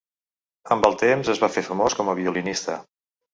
Amb el temps, es va fer famós com a violinista.